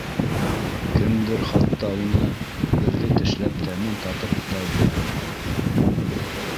Кемдер хатта уны берҙе тешләп, тәмен татып та өлгөргән.